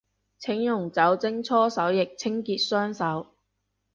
請用酒精搓手液清潔雙手